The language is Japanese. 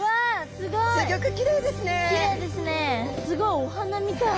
すごいお花みたい。